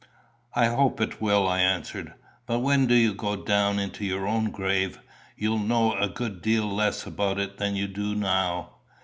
"I hope it will," I answered. "But when you do go down into your own grave, you'll know a good deal less about it than you do now.